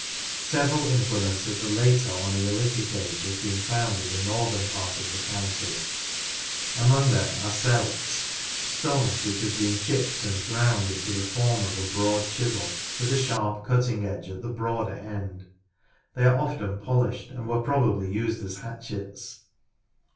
Several implements of the later or Neolithic Age have been found in the northern part of the county. Among them are "celts" — stones which have been chipped and ground into the form of a broad chisel with a sharp cutting edge at the broader end. They are often polished and were probably used as hatchets.